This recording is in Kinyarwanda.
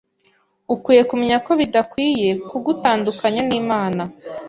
ukwiye kumenya ko bidakwiye kugutandukanya n’Imana